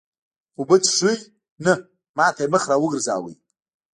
اوبه څښې؟ نه، ما ته یې مخ را وګرځاوه.